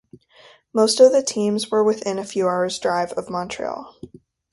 Most of the teams were within a few hours' drive of Montreal.